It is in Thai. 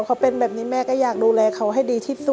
เขาเป็นแบบนี้แม่ก็อยากดูแลเขาให้ดีที่สุด